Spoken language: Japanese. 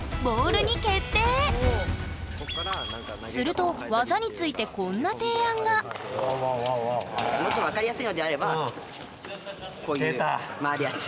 すると技についてこんな提案がもっと分かりやすいのであればこういう回るやつ。